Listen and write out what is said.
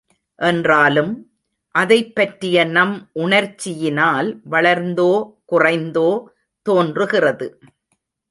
என்றாலும், அதைப்பற்றிய நம் உணர்ச்சியினால் வளர்ந்தோ குறைந்தோ தோன்றுகிறது.